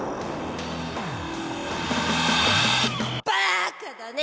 バカだね！